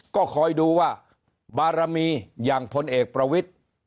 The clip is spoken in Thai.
ก็คอยดูว่าบารมีอย่างพลเอกประวิทธิ์